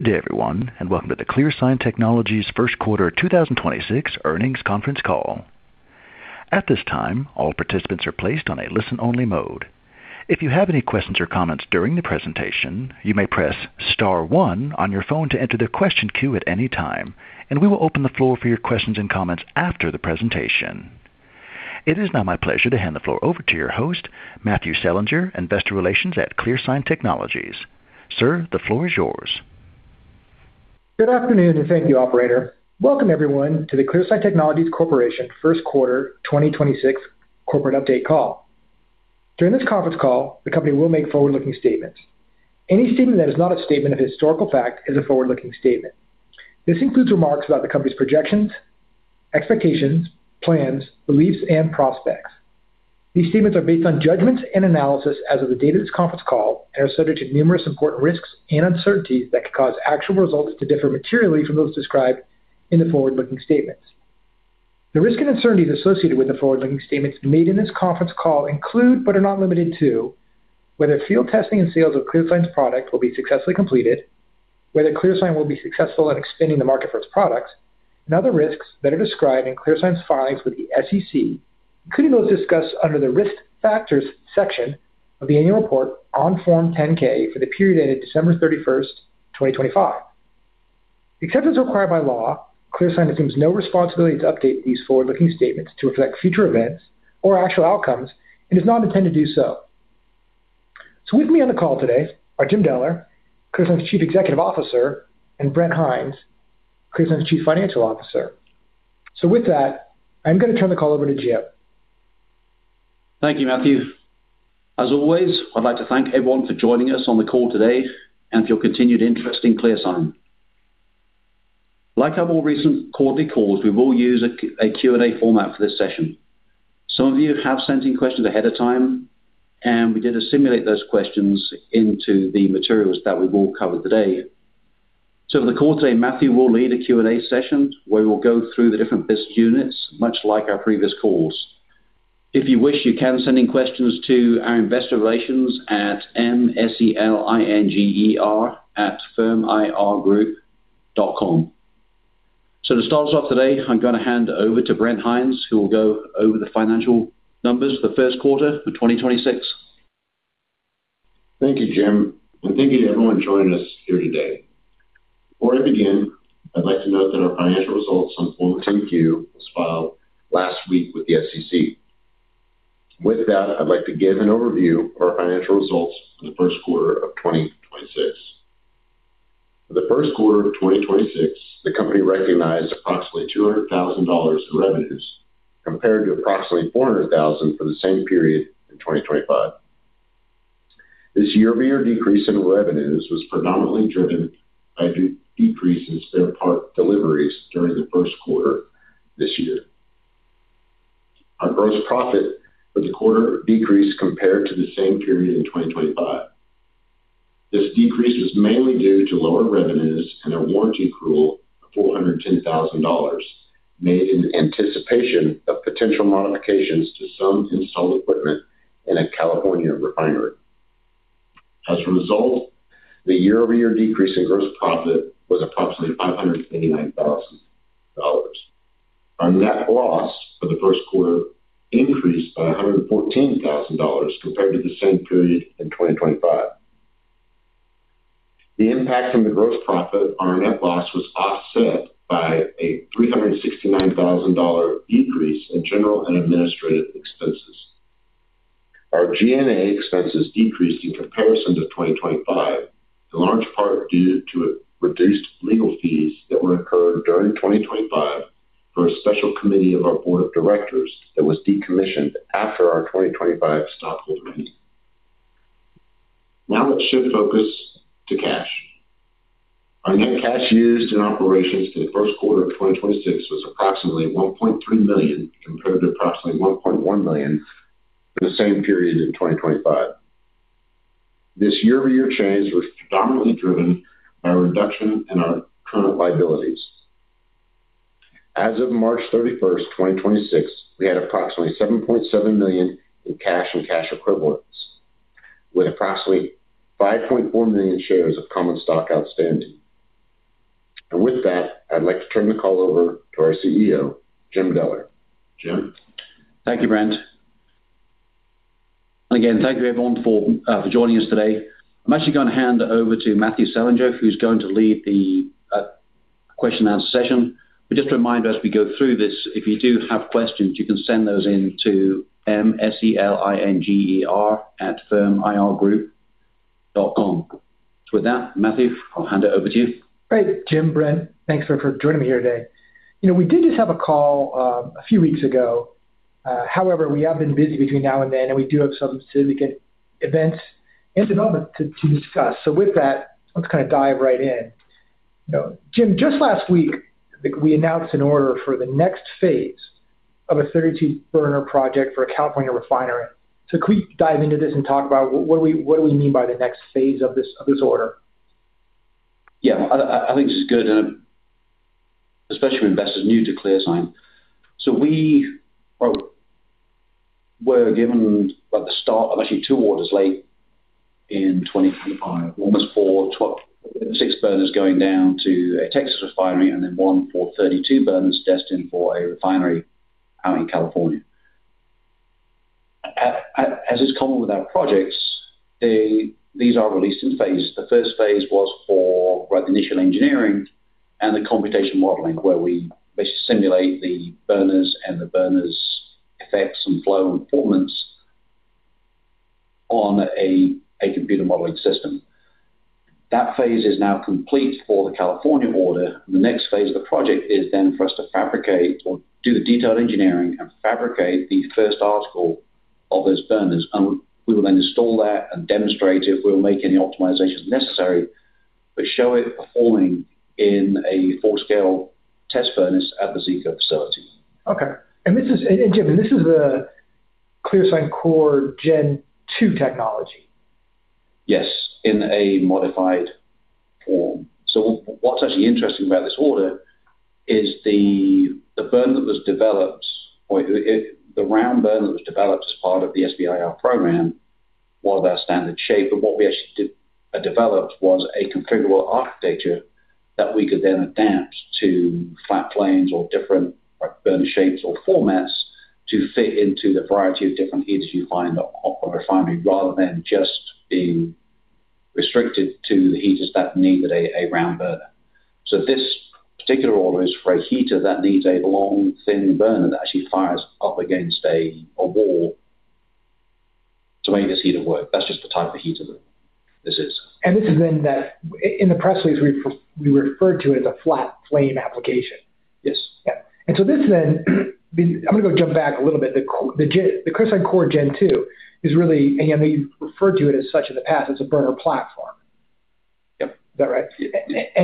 Good everyone, welcome to the ClearSign Technologies First Quarter 2026 Earnings Conference Call. At this time, all participants are placed on a listen-only mode. If you have any questions or comments during the presentation, you may press star one on your phone to enter the question queue at any time, and we will open the floor for your questions and comments after the presentation. It is now my pleasure to hand the floor over to your host, Matthew Selinger, Investor Relations at ClearSign Technologies. Sir, the floor is yours. Good afternoon. Thank you, operator. Welcome everyone to the ClearSign Technologies Corporation first quarter 2026 corporate update call. During this conference call, the company will make forward-looking statements. Any statement that is not a statement of historical fact is a forward-looking statement. This includes remarks about the company's projections, expectations, plans, beliefs, and prospects. These statements are based on judgments and analysis as of the date of this conference call and are subject to numerous important risks and uncertainties that could cause actual results to differ materially from those described in the forward-looking statements. The risks and uncertainties associated with the forward-looking statements made in this conference call include, but are not limited to, whether field testing and sales of ClearSign's product will be successfully completed, whether ClearSign will be successful in expanding the market for its products, and other risks that are described in ClearSign's filings with the SEC, including those discussed under the Risk Factors section of the annual report on Form 10-K for the period ended December 31st, 2025. Except as required by law, ClearSign assumes no responsibility to update these forward-looking statements to reflect future events or actual outcomes and does not intend to do so. With me on the call today are Jim Deller, ClearSign's Chief Executive Officer, and Brent Hinds, ClearSign's Chief Financial Officer. With that, I'm going to turn the call over to Jim. Thank you, Matthew. As always, I'd like to thank everyone for joining us on the call today and for your continued interest in ClearSign. Like our more recent quarterly calls, we will use a Q&A format for this session. Some of you have sent in questions ahead of time, and we did assimilate those questions into the materials that we will cover today. For the call today, Matthew will lead a Q&A session where we'll go through the different business units, much like our previous calls. If you wish, you can send in questions to our investor relations at mselinger@firmirgroup.com. To start us off today, I'm going to hand over to Brent Hinds, who will go over the financial numbers for the first quarter for 2026. Thank you, Jim, and thank you to everyone joining us here today. Before I begin, I'd like to note that our financial results on Form 10-Q was filed last week with the SEC. With that, I'd like to give an overview of our financial results for the first quarter of 2026. For the first quarter of 2026, the company recognized approximately $200,000 in revenues, compared to approximately $400,000 for the same period in 2025. This year-over-year decrease in revenues was predominantly driven by decreases in parts deliveries during the first quarter this year. Our gross profit for the quarter decreased compared to the same period in 2025. This decrease was mainly due to lower revenues and a warranty accrual of $410,000 made in anticipation of potential modifications to some installed equipment in a California refinery. As a result, the year-over-year decrease in gross profit was approximately $589,000. Our net loss for the first quarter increased by $114,000 compared to the same period in 2025. The impact from the gross profit on our net loss was offset by a $369,000 decrease in general and administrative expenses. Our G&A expenses decreased in comparison to 2025, in large part due to reduced legal fees that were incurred during 2025 for a special committee of our board of directors that was decommissioned after our 2025 stockholder meeting. Now let's shift focus to cash. Our net cash used in operations for the first quarter of 2026 was approximately $1.3 million, compared to approximately $1.1 million for the same period in 2025. This year-over-year change was predominantly driven by a reduction in our current liabilities. As of March 31st, 2026, we had approximately $7.7 million in cash and cash equivalents, with approximately 5.4 million shares of common stock outstanding. With that, I'd like to turn the call over to our CEO, Jim Deller. Jim? Thank you, Brent. Again, thank you everyone for joining us today. I'm actually going to hand it over to Matthew Selinger, who's going to lead the question and answer session. Just a reminder as we go through this, if you do have questions, you can send those in to mselinger@firmirgroup.com. With that, Matthew, I'll hand it over to you. Great. Jim, Brent, thanks for joining me here today. We did just have a call a few weeks ago. We have been busy between now and then, and we do have some significant events and development to discuss. With that, let's dive right in. Jim, just last week, we announced an order for the next phase of a 32-burner project for a California refinery. Could we dive into this and talk about what do we mean by the next phase of this order? Yeah. I think this is good. Especially investors new to ClearSign. We were given at the start, actually two orders late in 2025. One was for 36 burners going down to a Texas refinery, one for 32 burners destined for a refinery out in California. As is common with our projects, these are released in phases. The first phase was for the initial engineering and the computation modeling, where we basically simulate the burners and the burners' effects and flow and performance on a computer modeling system. That phase is now complete for the California order. The next phase of the project is for us to fabricate or do the detailed engineering and fabricate the first article of those burners. We will install that and demonstrate it. We'll make any optimizations necessary, but show it performing in a full-scale test furnace at the Zeeco facility. Okay. Jim, this is the ClearSign Core Gen 2 technology. Yes. In a modified form. What's actually interesting about this order is the burner that was developed, or the round burner that was developed as part of the SBIR program, was our standard shape. What we actually developed was a configurable architecture that we could then adapt to flat planes or different burner shapes or formats to fit into the variety of different heaters you find on a refinery, rather than just being restricted to the heaters that needed a round burner. This particular order is for a heater that needs a long, thin burner that actually fires up against a wall to make this heater work. That's just the type of heater this is. This is in the press release we referred to it as a flat flame application. Yes. Yeah. This I'm going to go jump back a little bit. The ClearSign Core Gen 2 is really, and you've referred to it as such in the past, it's a burner platform. Yep. Is that right?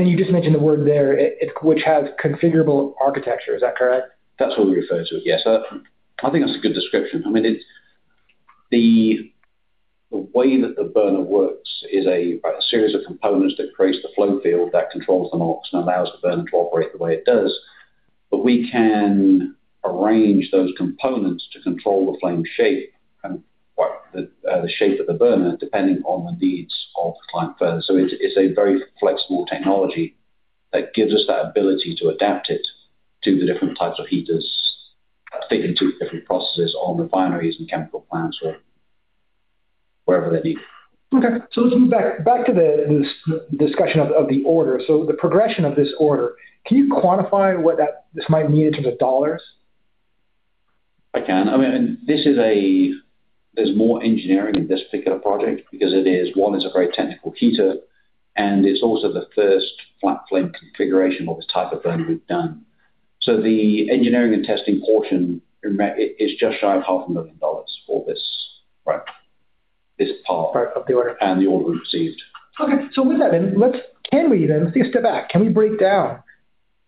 You just mentioned the word there, which has configurable architecture. Is that correct? That's what we refer to it, yes. I think that's a good description. I mean, the way that the burner works is a series of components that create the flow field that controls the NOx and allows the burner to operate the way it does. We can arrange those components to control the flame shape and the shape of the burner depending on the needs of the client burner. It's a very flexible technology that gives us that ability to adapt it to the different types of heaters, fit into different processes on refineries and chemical plants or wherever they need. Okay. Let's move back to the discussion of the order. The progression of this order, can you quantify what this might mean in terms of dollars? I can. There's more engineering in this particular project because it is, one, it's a very technical heater, and it's also the first flat flame configuration or this type of burner we've done. The engineering and testing portion is just shy of 500 million dollars for this part. Part of the order. The order we've received. Okay. With that, let's take a step back. Can we break down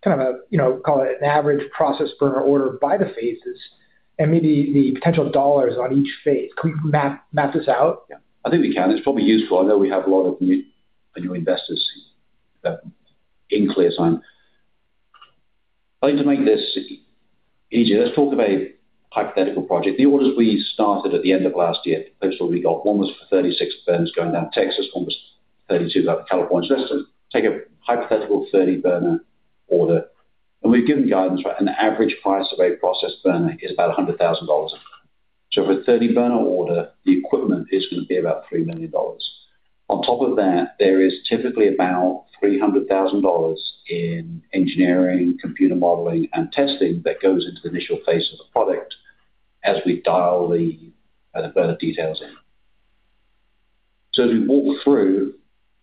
an average process burner order by the phases, and maybe the potential dollars on each phase? Can we map this out? Yeah, I think we can. It's probably useful. I know we have a lot of new investors in ClearSign. I think to make this easier, let's talk about a hypothetical project. The orders we started at the end of last year, first of all, we got one was for 36 burners going down to Texas, one was 32 out to California. Let's just take a hypothetical 30 burner order. We've given guidance, an average price of a process burner is about $100,000. For a 30 burner order, the equipment is going to be about $3 million. On top of that, there is typically about $300,000 in engineering, computer modeling, and testing that goes into the initial phase of the product as we dial the burner details in. As we walk through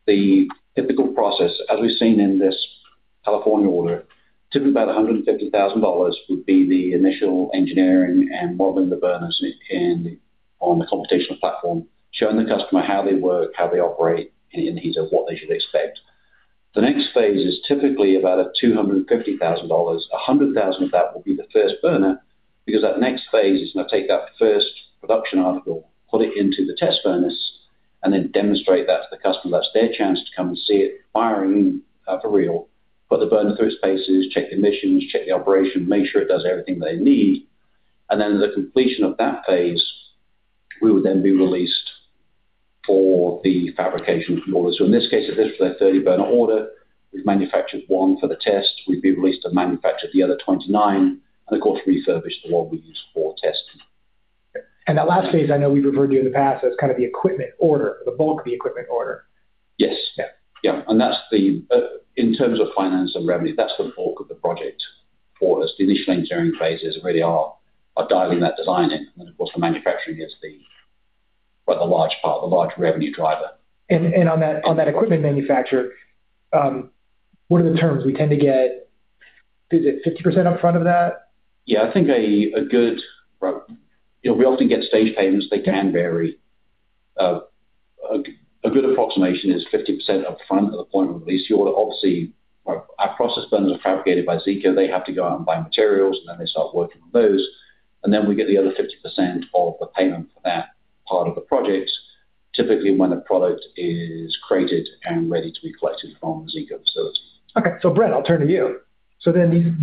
the typical process, as we've seen in this California order, typically about $150,000 would be the initial engineering and modeling the burners on the computational platform, showing the customer how they work, how they operate in heater, what they should expect. The next phase is typically about a $250,000. $100,000 of that will be the first burner because that next phase is going to take that first production article, put it into the test furnace, and then demonstrate that to the customer. That's their chance to come and see it firing for real. Put the burner through its paces, check emissions, check the operation, make sure it does everything they need. The completion of that phase, we would then be released for the fabrication orders. In this case, if this was a 30 burner order, we've manufactured one for the test. We'd be released to manufacture the other 29, and of course, refurbish the one we used for testing. That last phase I know we've referred to in the past as kind of the equipment order, the bulk of the equipment order. Yes. Yeah. Yeah. In terms of finance and revenue, that's the bulk of the project for us. The initial engineering phases really are dialing that design in. Of course, the manufacturing is the large revenue driver. On that equipment manufacture, what are the terms? We tend to get, is it 50% up front of that? Yeah. We often get stage payments. They can vary. A good approximation is 50% up front at the point of release your order. Obviously, our process burners are fabricated by Zeeco. They have to go out and buy materials, and then they start working on those. We get the other 50% of the payment for that part of the project. Typically, when a product is created and ready to be collected from the Zeeco facility. Brent, I'll turn to you.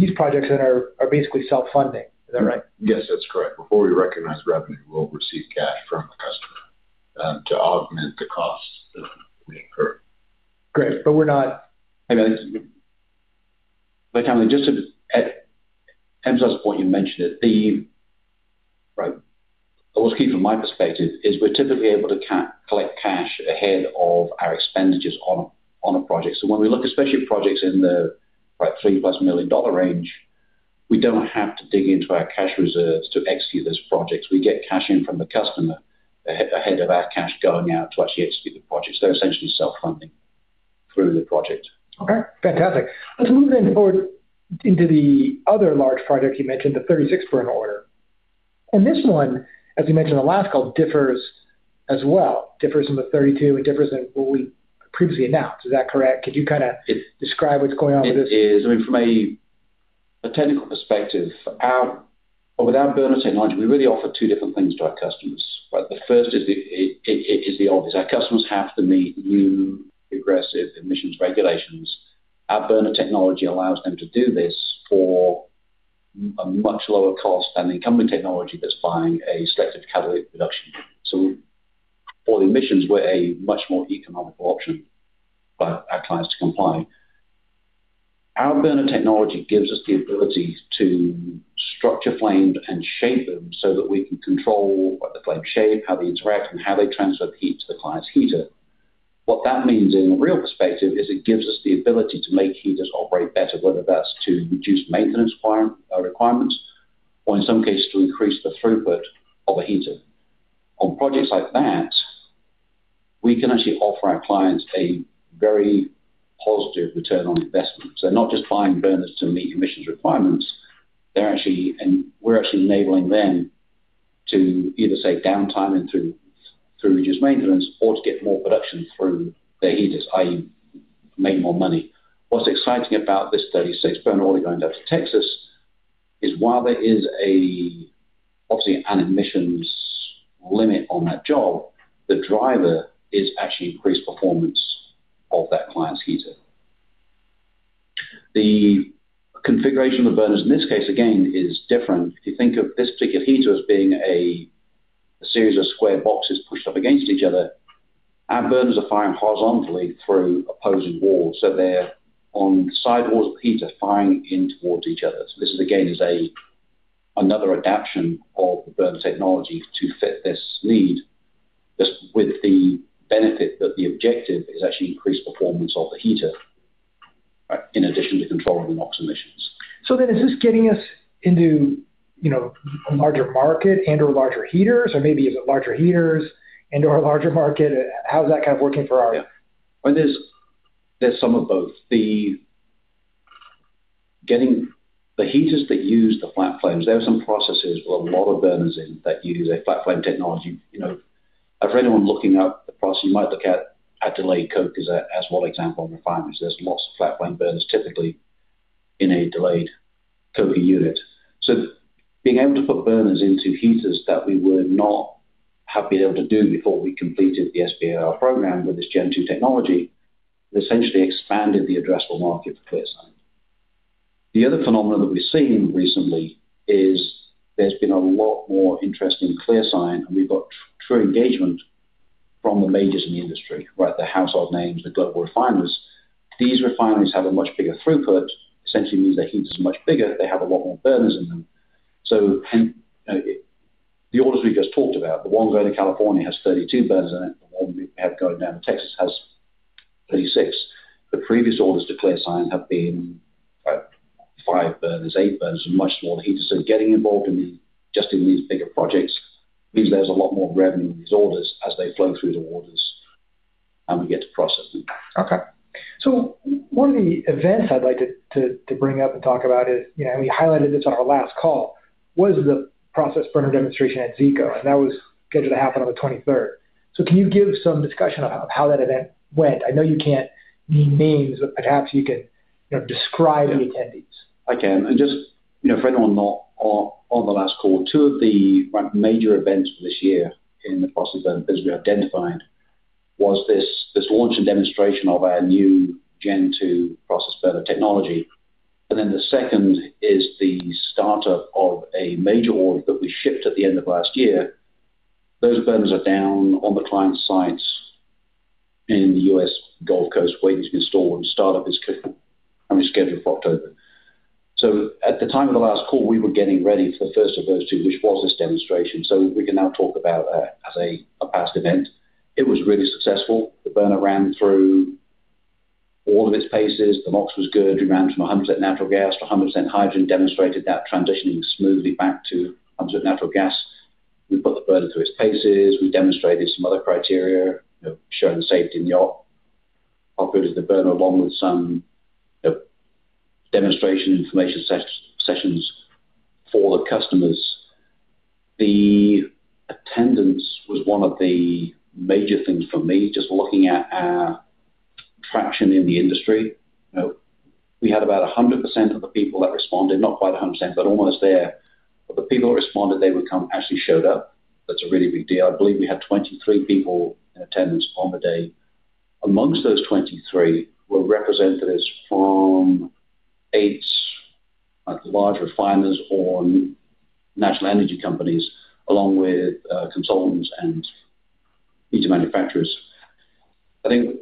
These projects then are basically self-funding. Is that right? Yes, that's correct. Before we recognize revenue, we'll receive cash from the customer to augment the costs that we incur. Great. I mean, just to, Brent, to that point you mentioned that the Right. What's key from my perspective is we're typically able to collect cash ahead of our expenditures on a project. When we look, especially at projects in the $3+ million range, we don't have to dig into our cash reserves to execute those projects. We get cash in from the customer ahead of our cash going out to actually execute the projects. They're essentially self-funding through the project. Okay, fantastic. Let's move forward into the other large project you mentioned, the 36 burner order. This one, as we mentioned on the last call, differs as well, differs from the 32 and differs than what we previously announced. Is that correct? Could you kind of describe what's going on with this? It is, I mean, from a technical perspective, with our burner technology, we really offer two different things to our customers, right? The first is the obvious. Our customers have to meet new aggressive emissions regulations. Our burner technology allows them to do this for a much lower cost than the incumbent technology that's buying a Selective Catalytic Reduction unit. For the emissions, we're a much more economical option for our clients to comply. Our burner technology gives us the ability to structure flames and shape them so that we can control the flame shape, how they interact, and how they transfer the heat to the client's heater. What that means in a real perspective is it gives us the ability to make heaters operate better, whether that's to reduce maintenance requirements or in some cases, to increase the throughput of a heater. On projects like that, we can actually offer our clients a very positive return on investment. They're not just buying burners to meet emissions requirements, we're actually enabling them to either save downtime and through reduced maintenance or to get more production through their heaters, i.e., make more money. What's exciting about this 36 burner order going down to Texas is while there is obviously an emissions limit on that job, the driver is actually increased performance of that client's heater. The configuration of the burners in this case, again, is different. If you think of this particular heater as being a series of square boxes pushed up against each other, our burners are firing horizontally through opposing walls, so they're on side walls of the heater firing in towards each other. This again is another adaptation of the burner technology to fit this need, just with the benefit that the objective is actually increased performance of the heater, in addition to controlling the NOx emissions. Is this getting us into a larger market and/or larger heaters? Or maybe is it larger heaters and/or a larger market? Yeah. Well, there's some of both. Getting the heaters that use the flat flames, there are some processes with a lot of burners in that use a flat flame technology. For anyone looking at the process, you might look at a delayed coker as one example in refineries. There's lots of flat flame burners typically in a delayed coking unit. Being able to put burners into heaters that we would not have been able to do before we completed the SBIR program with this Gen 2 technology, essentially expanded the addressable market for ClearSign. The other phenomenon that we've seen recently is there's been a lot more interest in ClearSign, and we've got true engagement from the majors in the industry, right, the household names, the global refineries. These refineries have a much bigger throughput, essentially means their heat is much bigger. They have a lot more burners in them. The orders we just talked about, the one going to California has 32 burners in it. The one we have going down to Texas has 36. The previous orders to ClearSign have been five burners, eight burners, much smaller heaters. Getting involved in these bigger projects means there's a lot more revenue in these orders as they flow through the orders and we get to process them. Okay. One of the events I'd like to bring up and talk about is, and we highlighted this on our last call, was the process burner demonstration at Zeeco, and that was scheduled to happen on the 23rd. Can you give some discussion of how that event went? I know you can't name names, but perhaps you can describe the attendees. I can. Just for anyone not on the last call, two of the major events for this year in the process burners we identified was this launch and demonstration of our new Gen 2 process burner technology. Then the 2nd is the startup of a major order that we shipped at the end of last year. Those burners are down on the client site in the U.S. Gulf Coast waiting to be installed, and startup is critical, and we're scheduled for October. At the time of the last call, we were getting ready for the first of those two, which was this demonstration. It was really successful. The burner ran through all of its paces. The NOx was good. We ran from 100% natural gas to 100% hydrogen, demonstrated that transitioning smoothly back to 100% natural gas. We put the burner through its paces. We demonstrated some other criteria, showed the safety and the op, how good is the burner, along with some demonstration information sessions for the customers. The attendance was one of the major things for me, just looking at our traction in the industry. We had about 100% of the people that responded, not quite 100%, but almost there. Of the people that responded they would come, actually showed up. That's a really big deal. I believe we had 23 people in attendance on the day. Amongst those 23 were representatives from eight large refiners or natural energy companies, along with consultants and heater manufacturers. I think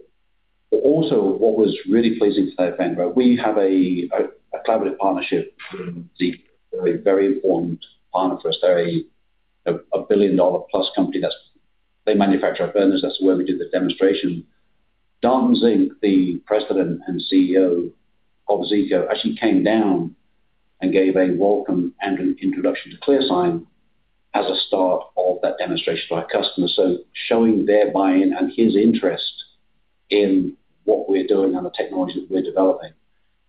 also what was really pleasing to note, Ben, we have a collaborative partnership with Zeeco, a very important partner for us. They're a 1 billion-dollar-plus company. They manufacture our burners. That's where we did the demonstration. Darton Zink, the president and CEO of Zeeco, actually came down and gave a welcome and an introduction to ClearSign as a start of that demonstration to our customers. Showing their buy-in and his interest in what we're doing and the technology that we're developing,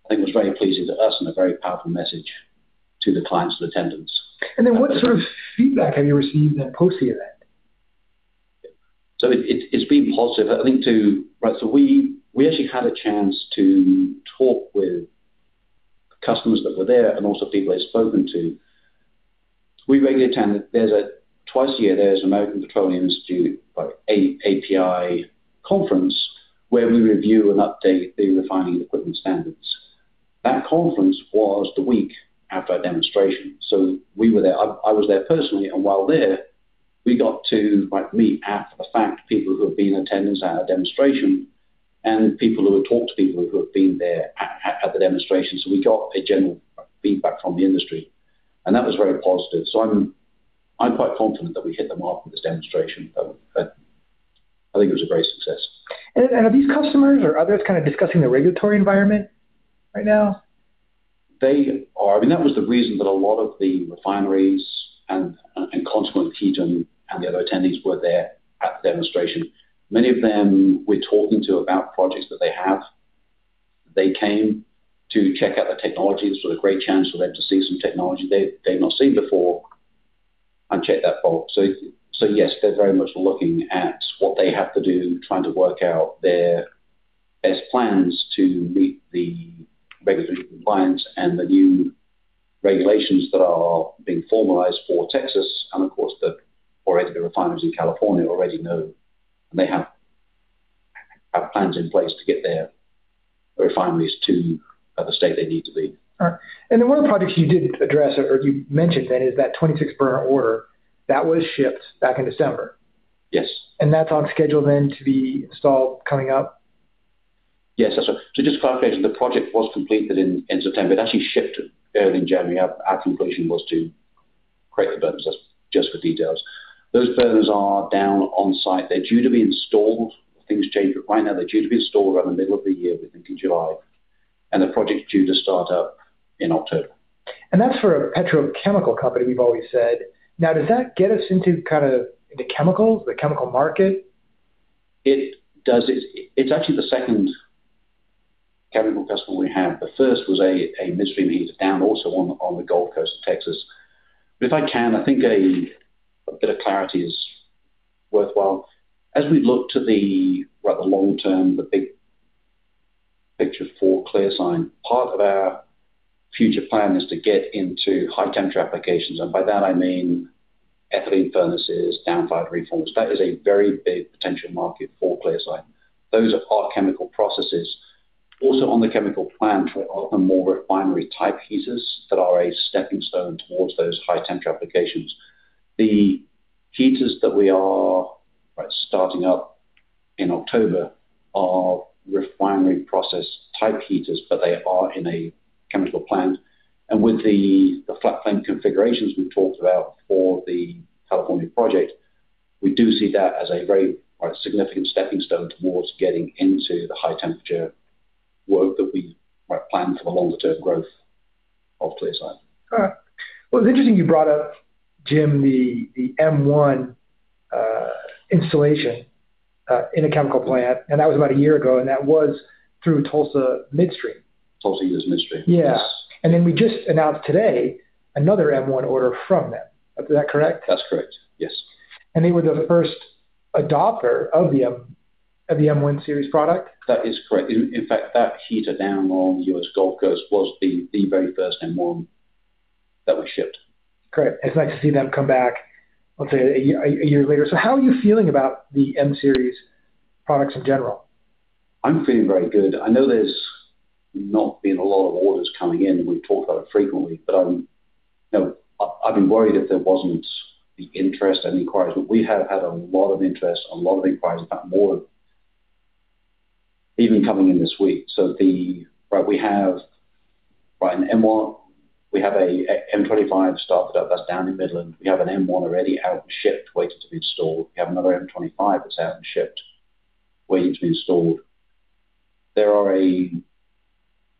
I think was very pleasing to us and a very powerful message to the clients in attendance. What sort of feedback have you received then post the event? It's been positive. We actually had a chance to talk with customers that were there and also people I've spoken to. Twice a year, there's American Petroleum Institute, API, conference where we review and update the refining equipment standards. That conference was the week after our demonstration, so we were there. I was there personally, and while there, we got to meet half the fact people who have been in attendance at our demonstration and people who had talked to people who had been there at the demonstration. We got a general feedback from the industry, and that was very positive. I'm quite confident that we hit the mark with this demonstration. I think it was a great success. Are these customers or others kind of discussing the regulatory environment right now? They are. That was the reason that a lot of the refineries and consequent heating and the other attendees were there at the demonstration. Many of them we're talking to about projects that they have. They came to check out the technology. This was a great chance for them to see some technology they've not seen before and check that box. Yes, they're very much looking at what they have to do, trying to work out their best plans to meet the regulatory compliance and the new regulations that are being formalized for Texas. Of course, for any of the refineries in California already know, and they have plans in place to get their refineries to the state they need to be. All right. One of the projects you did address, or you mentioned then, is that 26 burner order. That was shipped back in December. Yes. That's on schedule then to be installed coming up? Yes. Just clarification, the project was completed in September, but actually shipped early in January. Our completion was to create the burners. That's just for details. Those burners are down on site. They're due to be installed. Things change, but right now they're due to be installed around the middle of the year, we're thinking July. The project's due to start up in October. That's for a petrochemical company, we've always said. Now, does that get us into the chemicals, the chemical market? It does. It's actually the second chemical customer we have. The first was a midstream heater down also on the Gulf Coast of Texas. If I can, I think a bit of clarity is worthwhile. As we look to the long term, the big picture for ClearSign, part of our future plan is to get into high-temperature applications. By that I mean ethylene furnaces, downfire reforms. That is a very big potential market for ClearSign. Those are hot chemical processes. On the chemical plant are the more refinery-type heaters that are a stepping stone towards those high temp applications. The heaters that we are starting up in October are refinery process type heaters, but they are in a chemical plant. With the flat flame configurations we've talked about for the California project, we do see that as a very significant stepping stone towards getting into the high temperature work that we plan for the longer term growth of ClearSign. All right. Well, it's interesting you brought up, Jim, the M1 installation in a chemical plant, and that was about a year ago, and that was through Tulsa Midstream. Tulsa U.S. Midstream. Yeah. Yes. We just announced today another M1 order from them. Is that correct? That's correct, yes. They were the first adopter of the M1 Series product. That is correct. In fact, that heater down on the US Gulf Coast was the very first M1 that we shipped. Great. It's nice to see them come back, let's say, a year later. How are you feeling about the M Series products in general? I'm feeling very good. I know there's not been a lot of orders coming in. We've talked about it frequently. I've been worried if there wasn't the interest and inquiries. We have had a lot of interest, a lot of inquiries about more even coming in this week. We have an M1, we have a M25 started up that's down in Midland. We have an M1 already out and shipped, waiting to be installed. We have another M25 that's out and shipped, waiting to be installed. There are a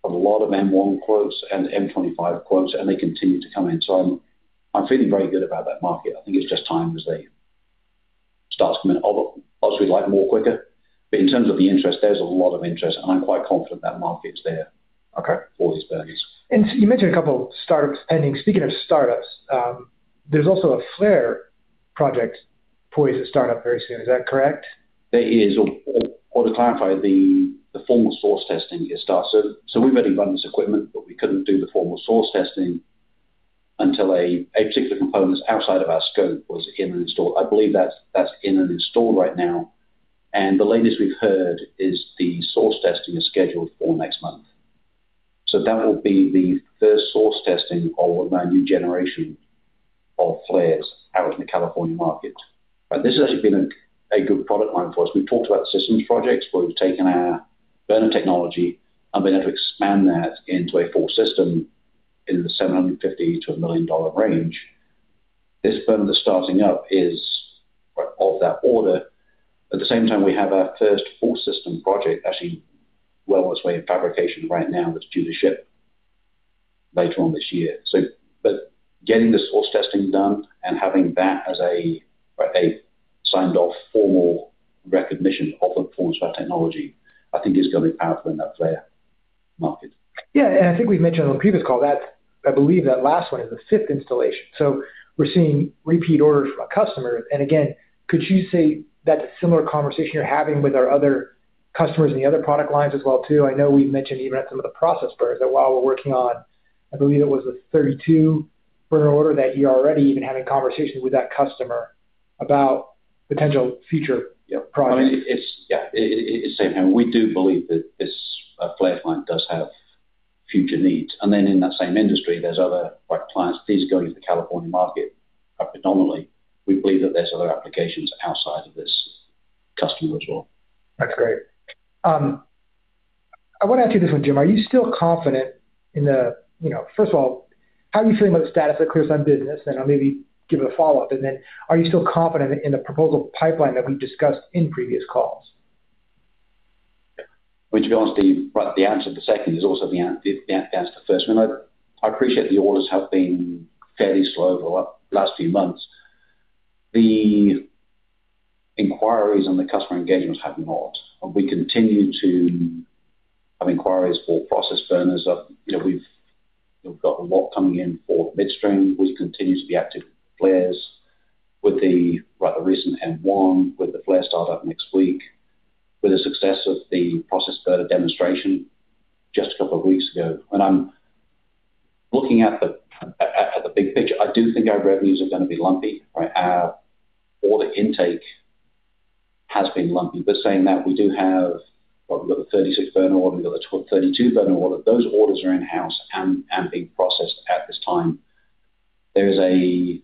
lot of M1 quotes and M25 quotes, and they continue to come in. I'm feeling very good about that market. I think it's just time as they start to come in. Obviously we'd like more quicker, but in terms of the interest, there's a lot of interest and I'm quite confident that market's there. Okay. For these burners. You mentioned two startups pending. Speaking of startups, there's also a flare project poised to start up very soon. Is that correct? There is. To clarify, the formal source testing is started. We've already run this equipment, but we couldn't do the formal source testing until a particular component outside of our scope was in and installed. I believe that's in and installed right now. The latest we've heard is the source testing is scheduled for next month. That will be the first source testing of our new generation of flares out in the California market. This has actually been a good product line for us. We've talked about systems projects where we've taken our burner technology and been able to expand that into a full system in the $750,000 to $1 million range. This burner that's starting up is of that order. At the same time, we have our first full system project actually well on its way in fabrication right now that's due to ship later on this year. Getting the source testing done and having that as a signed-off formal recognition of the performance of our technology, I think is going to be powerful in that flare market. Yeah, I think we've mentioned on the previous call that I believe that last one is the fifth installation. We're seeing repeat orders from a customer. Again, could you say that's a similar conversation you're having with our other customers in the other product lines as well too? I know we've mentioned even at some of the process burners that while we're working on, I believe it was a 32 burner order that you're already even having conversations with that customer about potential future products. Yeah. It's the same. We do believe that this flare front does have future needs. In that same industry, there's other clients. These go into the California market predominantly. We believe that there's other applications outside of this customer as well. That's great. I want to ask you this one, Jim. First of all, how are you feeling about the status of the ClearSign business? I'll maybe give it a follow-up. Are you still confident in the proposal pipeline that we've discussed in previous calls? To be honest, Steve, the answer to the second is also the answer to the first one. I appreciate the orders have been fairly slow over the last few months. The inquiries and the customer engagements have not. We continue to have inquiries for process burners that we've got a lot coming in for midstream. We continue to be active with flares with the recent M1, with the flare start up next week, with the success of the process burner demonstration just a couple of weeks ago. When I'm looking at the big picture, I do think our revenues are going to be lumpy. Our order intake has been lumpy. Saying that, we do have, what, we've got a 36 burner order, we've got a 32 burner order. Those orders are in-house and being processed at this time. There is a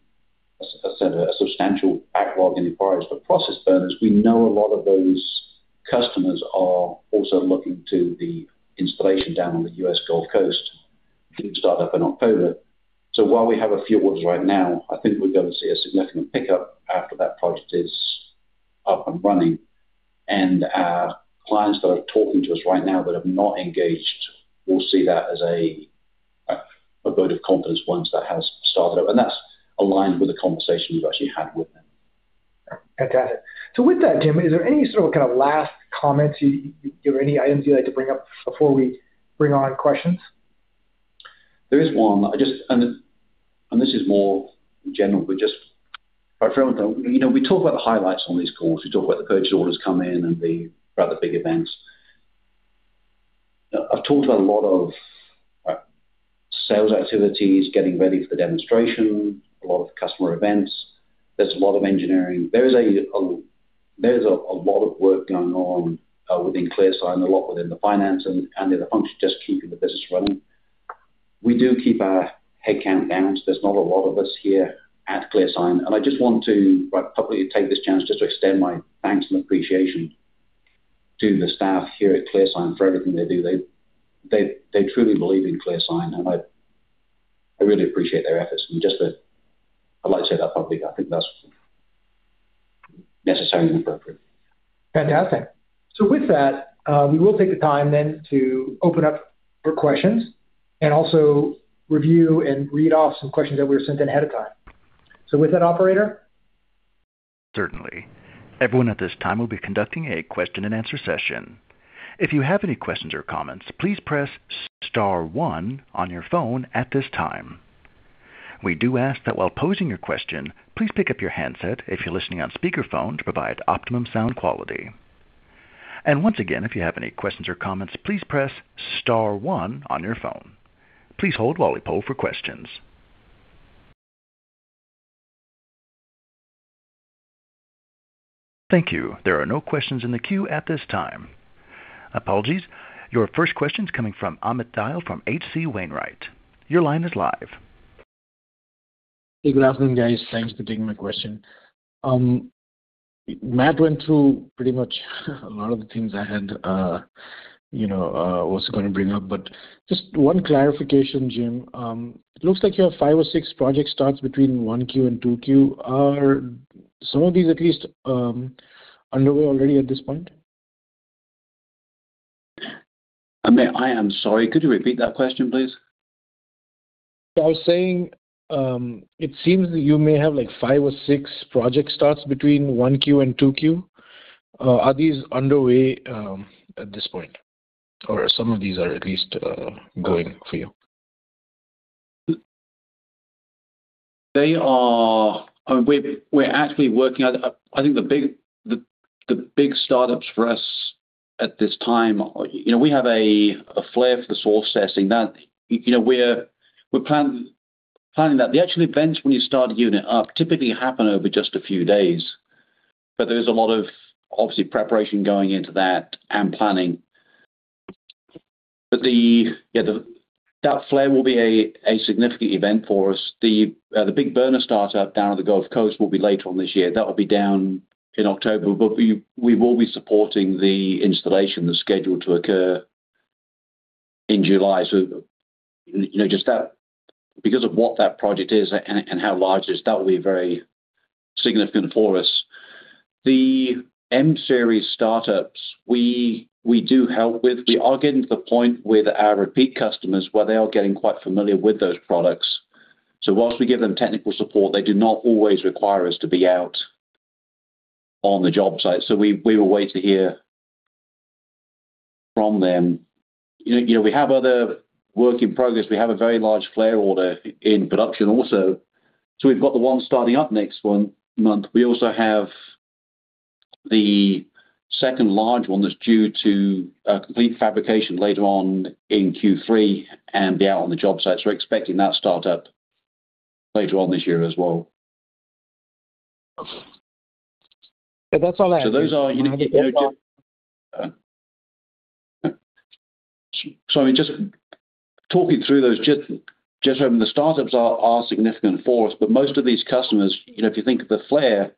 substantial backlog in inquiries for process burners. We know a lot of those customers are also looking to the installation down on the U.S. Gulf Coast, due to start up in October. While we have a few orders right now, I think we're going to see a significant pickup after that project is up and running. Our clients that are talking to us right now that have not engaged will see that as a vote of confidence once that has started up, and that's aligned with the conversations we've actually had with them. Fantastic. With that, Jim, is there any sort of last comments or any items you'd like to bring up before we bring on questions? There is one. This is more general, but just, we talk about the highlights on these calls. We talk about the purchase orders come in and the rather big events. I've talked about a lot of sales activities, getting ready for the demonstration, a lot of customer events. There's a lot of engineering. There's a lot of work going on within ClearSign, a lot within the finance and in the function of just keeping the business running. We do keep our headcount down. There's not a lot of us here at ClearSign, and I just want to publicly take this chance just to extend my thanks and appreciation to the staff here at ClearSign for everything they do. They truly believe in ClearSign, and I really appreciate their efforts, and I'd like to say that publicly. I think that's necessary and appropriate. Fantastic. With that, we will take the time then to open up for questions and also review and read off some questions that were sent in ahead of time. With that, operator. Certainly. Everyone at this time will be conducting a question and answer session. If you have any questions or comments, please press star one on your phone at this time. We do ask that while posing your question, please pick up your handset if you're listening on speakerphone to provide optimum sound quality. Once again, if you have any questions or comments, please press star one on your phone. Please hold low for questions. Thank you. There are no question in a queue at this time. Apologies. Your first question's coming from Amit Dayal from H.C. Wainwright. Your line is live. Hey, good afternoon, guys. Thanks for taking my question. Matt went through pretty much a lot of the things I had, was going to bring up, but just one clarification, Jim. It looks like you have five or six project starts between 1Q and 2Q. Are some of these at least underway already at this point? Amit, I am sorry. Could you repeat that question, please? I was saying, it seems that you may have five or six project starts between 1Q and 2Q. Are these underway at this point, or some of these are at least going for you? I think the big startups for us at this time, we have a flare for the source testing. We're planning that. The actual events when you start a unit up typically happen over just a few days, there is a lot of, obviously, preparation going into that and planning. That flare will be a significant event for us. The big burner startup down at the Gulf Coast will be later on this year. That will be down in October, we will be supporting the installation that's scheduled to occur in July. Because of what that project is and how large it is, that will be very significant for us. The M Series startups, we do help with. We are getting to the point with our repeat customers where they are getting quite familiar with those products. Whilst we give them technical support, they do not always require us to be out on the job site. We will wait to hear from them. We have other work in progress. We have a very large flare order in production also. We've got the one starting up next month. We also have the second large one that's due to complete fabrication later on in Q3 and be out on the job site. We're expecting that startup later on this year as well. Okay. That's all I have. Just talking through those, just remember, the startups are significant for us. Most of these customers, if you think of the flare,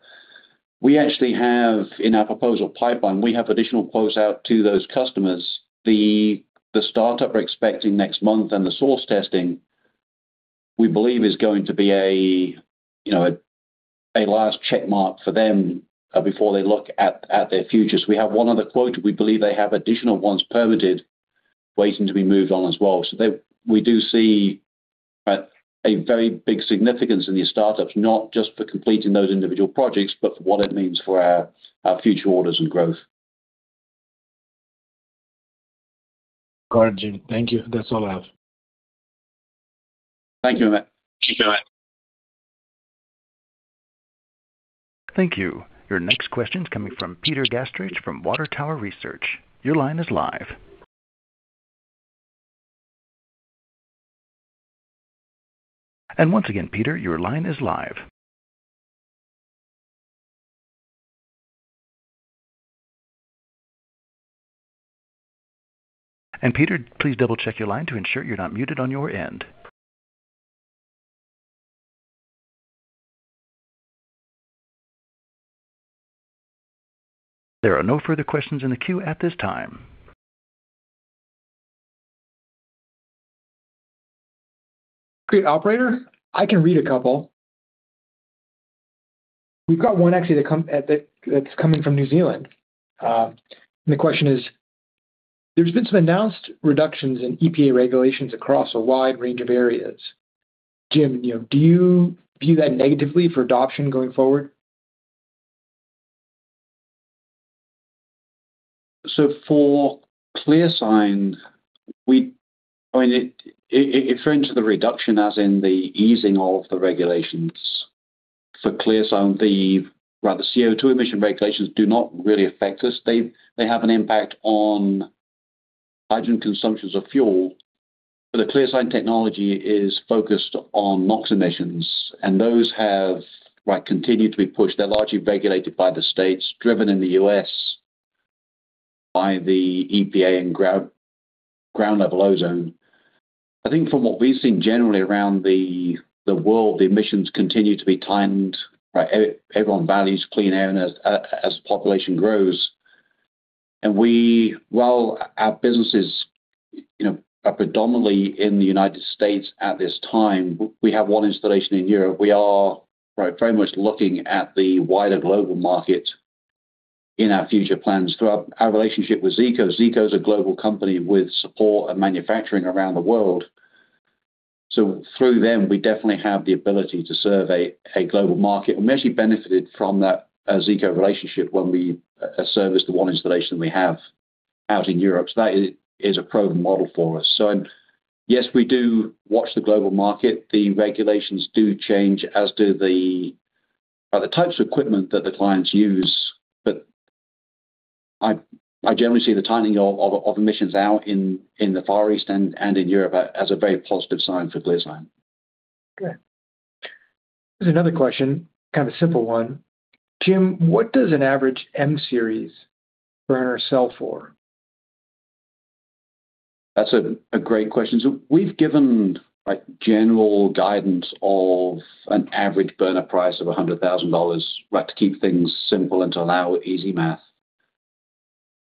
we actually have in our proposal pipeline, we have additional quotes out to those customers. The startup we're expecting next month and the source testing, we believe is going to be a last check mark for them before they look at their futures. We have one other quote. We believe they have additional ones permitted waiting to be moved on as well. We do see a very big significance in these startups, not just for completing those individual projects, but for what it means for our future orders and growth. Got you. Thank you. That's all I have. Thank you Amit. Thank you Jim. Your next question's coming from Peter Gastreich from Water Tower Research. Your line is live. Once again, Peter, your line is live. Peter, please double-check your line to ensure you're not muted on your end. There are no further questions in the queue at this time. Great, operator. I can read a couple. We've got one actually that's coming from New Zealand. The question is: There's been some announced reductions in EPA regulations across a wide range of areas. Jim, do you view that negatively for adoption going forward? For ClearSign, referring to the reduction as in the easing of the regulations for ClearSign, the CO2 emission regulations do not really affect us. They have an impact on hydrogen consumptions of fuel. The ClearSign technology is focused on NOx emissions, and those have continued to be pushed. They're largely regulated by the states, driven in the U.S. by the EPA and ground-level ozone. I think from what we've seen generally around the world, the emissions continue to be tightened. Everyone values clean air as population grows. While our businesses are predominantly in the United States at this time, we have one installation in Europe. We are very much looking at the wider global market in our future plans through our relationship with Zeeco. Zeeco is a global company with support and manufacturing around the world. Through them, we definitely have the ability to survey a global market. Mesh benefited from that Zeeco relationship when we serviced the one installation we have out in Europe. That is a proven model for us. Yes, we do watch the global market. The regulations do change, as do the types of equipment that the clients use. I generally see the tightening of emissions out in the Far East and in Europe as a very positive sign for ClearSign. Good. There is another question, kind of a simple one. Jim, what does an average M Series burner sell for? That's a great question. We've given general guidance of an average burner price of $100,000 to keep things simple and to allow easy math.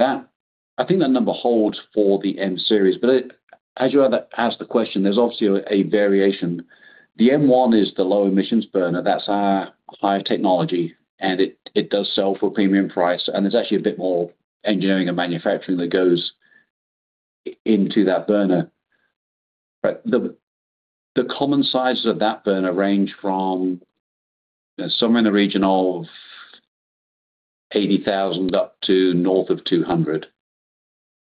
I think that number holds for the M Series. As you asked the question, there's obviously a variation. The ClearSign Core M1 is the low emissions burner. That's our higher technology, and it does sell for a premium price, and there's actually a bit more engineering and manufacturing that goes into that burner. The common sizes of that burner range from somewhere in the region of $80,000 up to north of $200,000.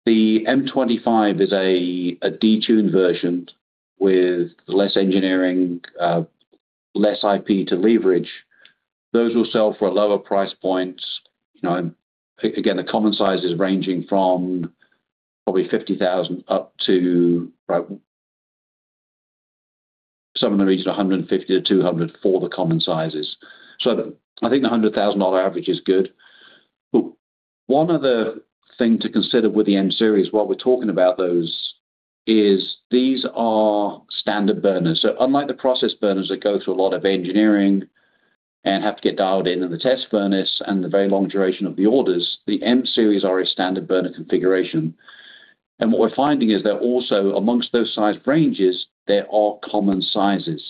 The ClearSign Core M25 is a detuned version with less engineering, less IP to leverage. Those will sell for lower price points. Again, the common size is ranging from probably $50,000 up to somewhere in the region of $150,000 to $200,000 for the common sizes. I think the $100,000 average is good. One other thing to consider with the M Series, while we're talking about those, is these are standard burners. Unlike the process burners that go through a lot of engineering and have to get dialed in in the test furnace and the very long duration of the orders, the M Series are a standard burner configuration. What we're finding is that also amongst those size ranges, there are common sizes.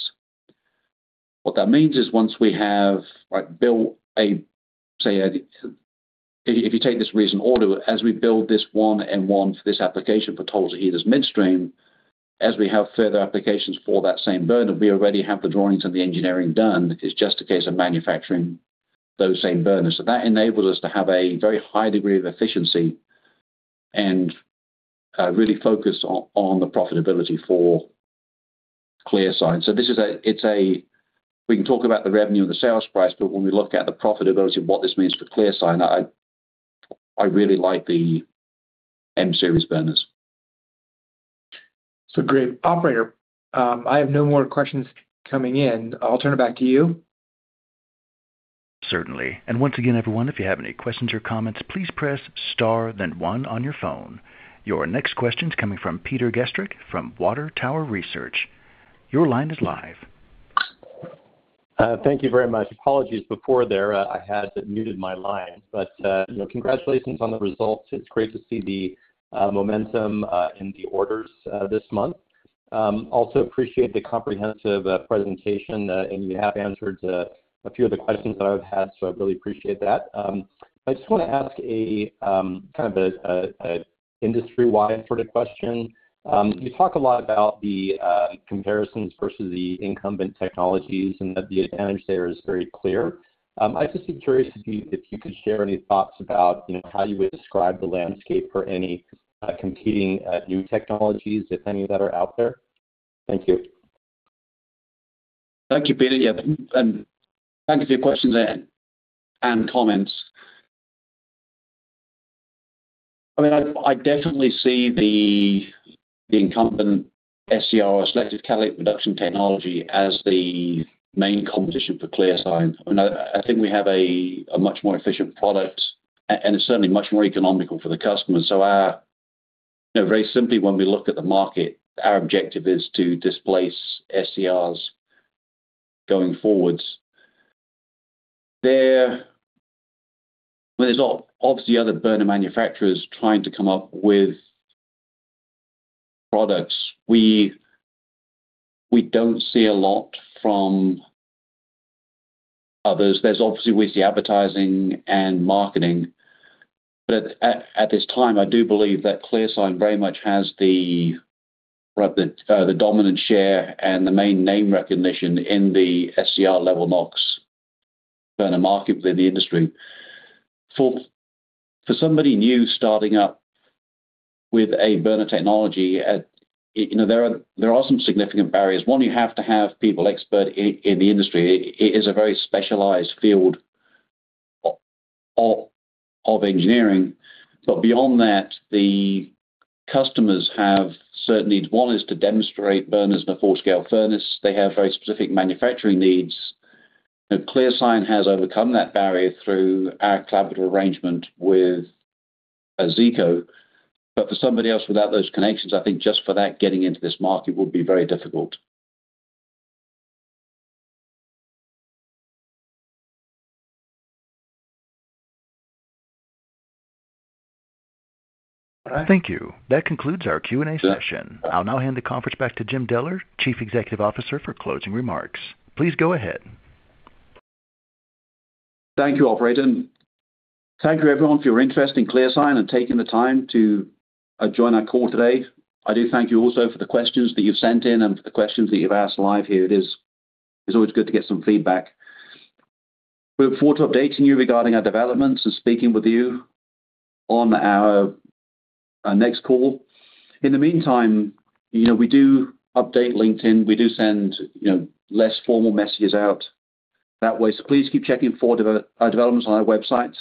What that means is once we have built a, say, if you take this recent order, as we build this one M1 for this application for Tulsa Heater Midstream, as we have further applications for that same burner, we already have the drawings and the engineering done. It's just a case of manufacturing those same burners. That enables us to have a very high degree of efficiency and really focus on the profitability for ClearSign. We can talk about the revenue and the sales price, but when we look at the profitability and what this means for ClearSign, I really like the M Series burners. Great. Operator, I have no more questions coming in. I'll turn it back to you. Certainly. Once again, everyone, if you have any questions or comments, please press star then one on your phone. Your next question's coming from Peter Gastreich from Water Tower Research. Your line is live. Thank you very much. Apologies before there, I had muted my line. Congratulations on the results. It's great to see the momentum in the orders this month. Also appreciate the comprehensive presentation, and you have answered a few of the questions that I've had, so I really appreciate that. I just want to ask a kind of an industry-wide sort of question. You talk a lot about the comparisons versus the incumbent technologies, and the advantage there is very clear. I'd just be curious if you could share any thoughts about how you would describe the landscape for any competing new technologies, if any, that are out there. Thank you. Thank you, Peter. Yeah. Thank you for your questions there and comments. I definitely see the incumbent SCR, Selective Catalytic Reduction technology, as the main competition for ClearSign. I think we have a much more efficient product, and it's certainly much more economical for the customer. Very simply, when we look at the market, our objective is to displace SCRs going forwards. There's obviously other burner manufacturers trying to come up with products. We don't see a lot from others. There's obviously, we see advertising and marketing. At this time, I do believe that ClearSign very much has the dominant share and the main name recognition in the SCR level NOx burner market within the industry. For somebody new starting up with a burner technology, there are some significant barriers. One, you have to have people expert in the industry. It is a very specialized field of engineering. Beyond that, the customers have certain needs. One is to demonstrate burners in a full-scale furnace. They have very specific manufacturing needs. ClearSign has overcome that barrier through our collaborative arrangement with Zeeco. For somebody else without those connections, I think just for that, getting into this market would be very difficult. Thank you. That concludes our Q&A session. I'll now hand the conference back to Jim Deller, Chief Executive Officer, for closing remarks. Please go ahead. Thank you, operator. Thank you everyone for your interest in ClearSign and taking the time to join our call today. I do thank you also for the questions that you've sent in and for the questions that you've asked live here. It is always good to get some feedback. We look forward to updating you regarding our developments and speaking with you on our next call. In the meantime, we do update LinkedIn. We do send less formal messages out that way. Please keep checking for our developments on our websites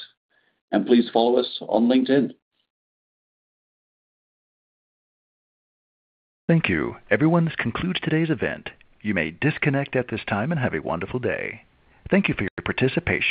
and please follow us on LinkedIn. Thank you. Everyone, this concludes today's event. You may disconnect at this time, and have a wonderful day. Thank you for your participation.